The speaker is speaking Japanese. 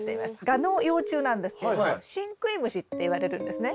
ガの幼虫なんですけどシンクイムシっていわれるんですね。